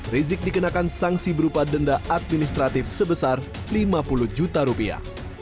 rizik dikenakan sanksi berupa denda administratif sebesar lima puluh juta rupiah